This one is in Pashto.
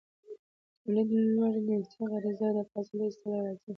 ، توليد، لوږه، جنسي غريزه او د فضله ايستل راځي.